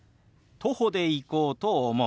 徒歩で行こうと思う。